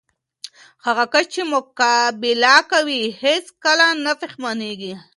هغه کس چې مقابله کوي، هیڅ کله نه پښېمانه کېږي.